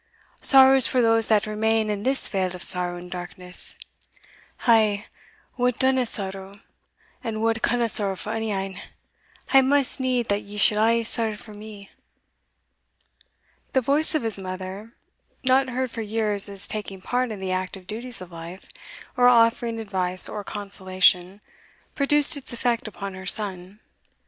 Sorrow is for those that remain in this vale of sorrow and darkness I, wha dinna sorrow, and wha canna sorrow for ony ane, hae maist need that ye should a' sorrow for me." The voice of his mother, not heard for years as taking part in the active duties of life, or offering advice or consolation, produced its effect upon her son.